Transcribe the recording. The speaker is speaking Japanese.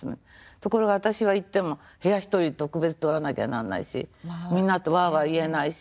ところが私は行っても部屋一人特別取らなきゃなんないしみんなとワワ言えないし